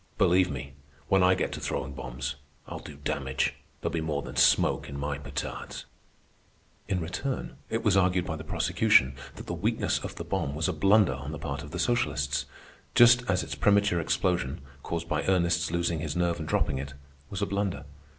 Believe me, when I get to throwing bombs, I'll do damage. There'll be more than smoke in my petards." In return it was argued by the prosecution that the weakness of the bomb was a blunder on the part of the socialists, just as its premature explosion, caused by Ernest's losing his nerve and dropping it, was a blunder.